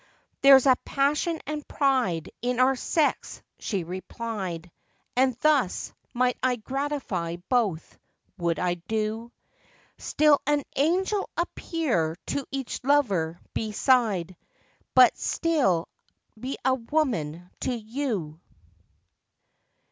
There's a passion and pride In our sex, she replied, And thus, might I gratify both, would I do: Still an angel appear to each lover beside, But still be a woman to you.